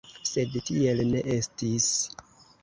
Sed tiel ne estis.